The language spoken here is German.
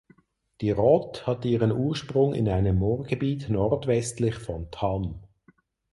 Die Rott hat ihren Ursprung in einem Moorgebiet nordwestlich von Thann.